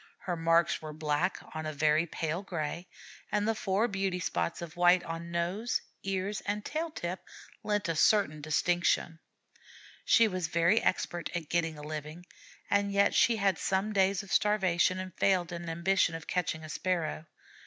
Her marks were black on a very pale gray, and the four beauty spots of white on nose, ears, and tail tip lent a certain distinction. She was very expert at getting a living, and yet she had some days of starvation and failed in her ambition of catching a Sparrow.